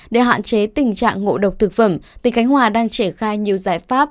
để hạn chế tình trạng ngộ độc thực phẩm tỉnh khánh hòa đang triển khai nhiều giải pháp